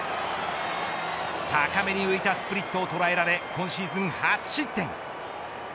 高めに浮いたスプリットを捉えられ今シーズン初失点。